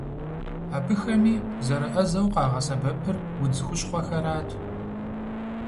Абыхэми зэрыӏэзэу къагъэсэбэпыр удз хущхъуэхэрат.